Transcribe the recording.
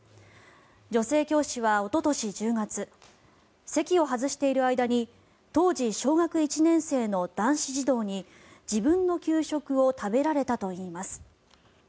女性教師はおととし１０月席を外している間に当時小学１年生の男子児童に自分の給食を食べられたといいます。